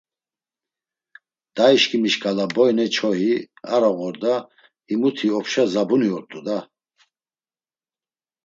Dayişǩimi şǩala boyne çoyi, aroğorda… Himuti opşa zabuni ort̆u da?